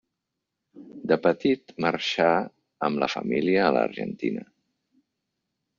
De petit marxà amb la família a l'Argentina.